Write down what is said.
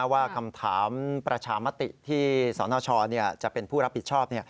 ว่าคำถามประชามติที่สนชจะเป็นผู้รับผิดชอบ